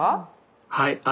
はい。